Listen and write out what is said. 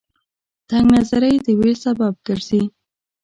تنگ نظرۍ د وېش سبب ګرځي.